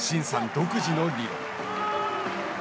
独自の理論。